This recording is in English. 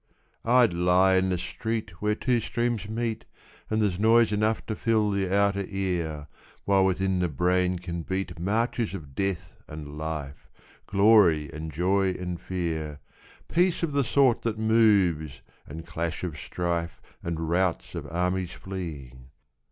I'd lie in the street Where two streams meet And there's noise enough to fill The outer ear, While within the brain can beat Marches of death and life, Glory and joy and fear, Peace of the sort that moves And clash of strife And routs of armies fleeing.